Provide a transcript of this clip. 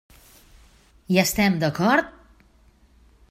Hi estem d'acord?